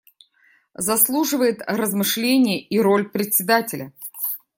Заслуживает размышления и роль Председателя.